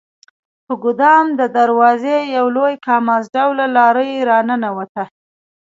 په ګدام د دروازه یو لوی کاماز ډوله لارۍ راننوته.